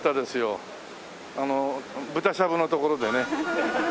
あの豚しゃぶのところでね。